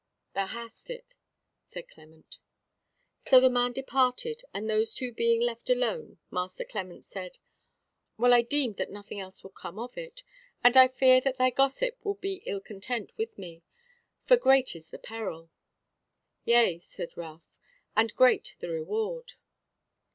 "Thou hast it," said Clement. So the man departed, and those two being left alone, Master Clement said: "Well, I deemed that nothing else would come of it: and I fear that thy gossip will be ill content with me; for great is the peril." "Yea," said Ralph, "and great the reward."